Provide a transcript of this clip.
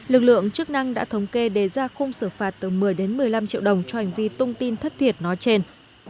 lực lượng chức năng đã thống kê đề ra không sửa phạt từ một mươi một mươi năm triệu đồng cho hành vi tung tin thất thiệt nói trên